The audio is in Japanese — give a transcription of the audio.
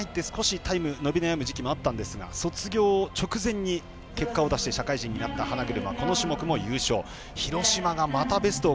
大学に入って、少しタイム伸び悩む時期があったんですが卒業直前に結果を出して社会人になった花車。